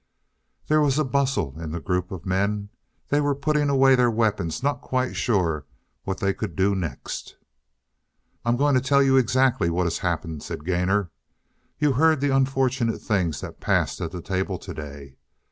There was a bustle in the group of men. They were putting away the weapons, not quite sure what they could do next. "I am going to tell you exactly what has happened," said Gainor. "You heard the unfortunate things that passed at the table today.